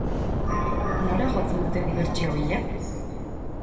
Nora jotzen dute dibertsio bila?